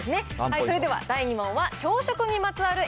それでは第２問は朝食にまつわる円